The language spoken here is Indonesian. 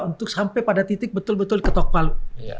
untuk sampai pada titik betul betul ketok palu